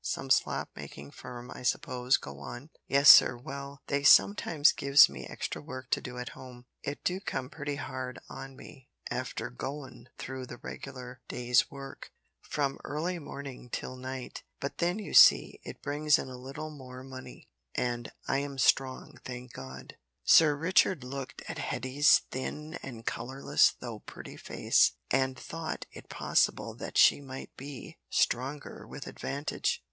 Some slop making firm, I suppose. Go on." "Yes, sir. Well they sometimes gives me extra work to do at home. It do come pretty hard on me after goin' through the regular day's work, from early mornin' till night, but then, you see, it brings in a little more money and, I'm strong, thank God." Sir Richard looked at Hetty's thin and colourless though pretty face, and thought it possible that she might be stronger with advantage.